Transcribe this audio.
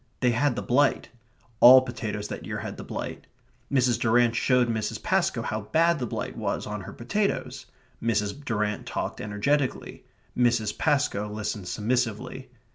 They had the blight. All potatoes that year had the blight. Mrs. Durrant showed Mrs. Pascoe how bad the blight was on her potatoes. Mrs. Durrant talked energetically; Mrs. Pascoe listened submissively.